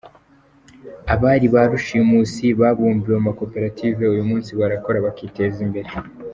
Abari barushimusi babumbiwe mu makoperative uyu munsi barakora bakiteza imbere.